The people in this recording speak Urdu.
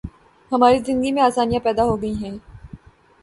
ہماری زندگی میں آسانیاں پیدا ہو گئی ہیں۔